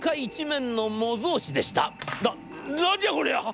『な何じゃこりゃ！？』。